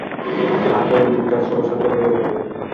তারপরের ডুবটা শ্রমসাধ্য হয়ে উঠবে।